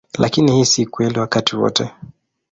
Lakini hii si kweli wakati wote.